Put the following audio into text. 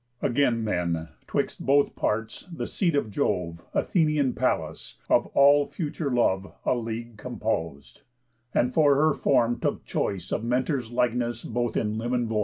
Again then, 'twixt both parts the Seed of Jove, Athenian Pallas, of all future love A league compos'd, and for her form took choice Of Mentor's likeness both in limb and voice.